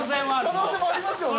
可能性ありますよね。